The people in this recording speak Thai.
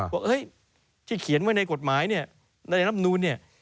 ว่าที่เขียนไว้ในกฎหมายเนี่ยในรำนูนเนี่ย